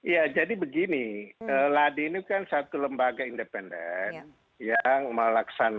ya jadi begini ladi ini kan satu lembaga independen yang melaksanakan